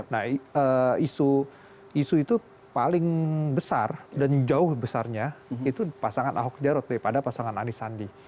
nah isu itu paling besar dan jauh besarnya itu pasangan ahok jarot daripada pasangan anis sandi